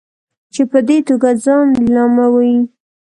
چې په دې توګه ځان لیلاموي.